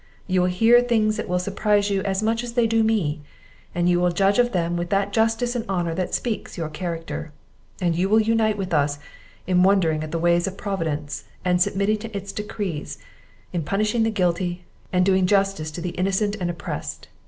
You will hear things that will surprise you as much as they do me; you will judge of them with that justice and honour that speaks your character; and you will unite with us in wondering at the ways of Providence, and submitting to its decrees, in punishing the guilty, and doing justice to the innocent and oppressed.